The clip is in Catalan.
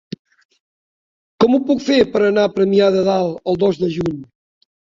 Com ho puc fer per anar a Premià de Dalt el dos de juny?